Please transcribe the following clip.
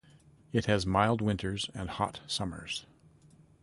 It has mild winters and hot summers.